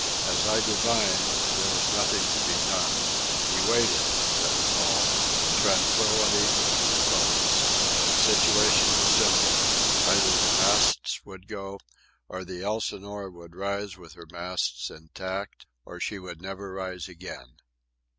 As I divined, there was nothing to be done. He waited—that was all—in tranquillity and repose. The situation was simple. Either the masts would go, or the Elsinore would rise with her masts intact, or she would never rise again.